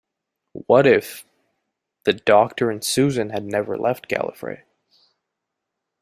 What if... the Doctor and Susan had never left Gallifrey?